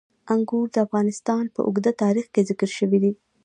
انګور د افغانستان په اوږده تاریخ کې ذکر شوي.